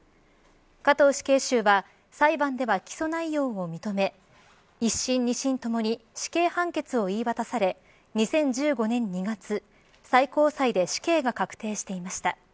加藤死刑囚は裁判では起訴内容を認め一審、二審ともに死刑判決を言い渡され２０１５年２月最高裁で死刑が確定していました。